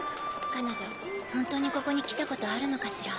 彼女ホントにここに来たことあるのかしら？